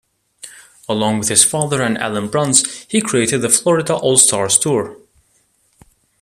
Along with his father and Alan Bruns, he created the Florida All Stars Tour.